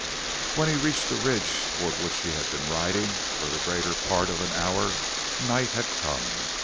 When he reached the ridge toward which he had been riding for the greater part of an hour night had come.